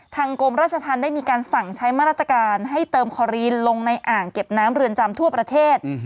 กรมราชธรรมได้มีการสั่งใช้มาตรการให้เติมคอรีนลงในอ่างเก็บน้ำเรือนจำทั่วประเทศ